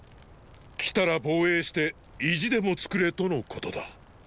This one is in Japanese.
「来たら防衛して意地でも造れ」とのことだ。